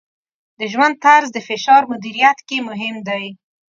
د ژوند طرز د فشار مدیریت کې مهم دی.